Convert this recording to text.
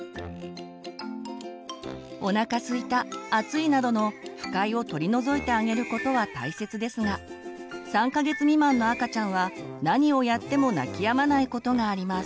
おなかすいた暑いなどの不快を取り除いてあげることは大切ですが３か月未満の赤ちゃんは何をやっても泣きやまないことがあります。